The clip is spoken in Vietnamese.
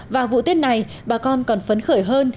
vào vụ tết này bà con còn phấn khởi hơn